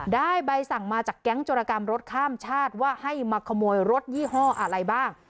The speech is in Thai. ได้ใบสั่งมาจากแก๊งโจรกรรมรถข้ามชาติว่าให้มาขโมยรถยี่ห้ออะไรบ้าง